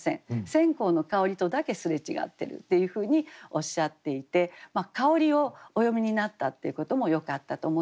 線香の香りとだけ擦れ違ってるっていうふうにおっしゃっていて香りをお詠みになったっていうこともよかったと思いますし。